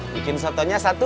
bikin sotonya satu